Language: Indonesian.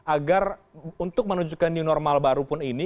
agar untuk menuju ke new normal baru pun ini